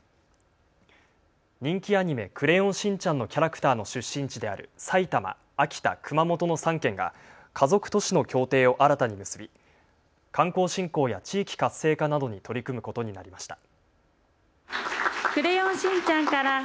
人気アニメ、クレヨンしんちゃんのキャラクターの出身地である埼玉、秋田、熊本の３県が家族都市の協定を新たに結び観光振興や地域活性化などに取り組むことになりました。